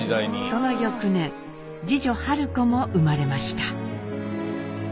その翌年次女子も生まれました。